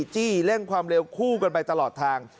จี้เร่งความเร็วคู่กันไปตลอดทาง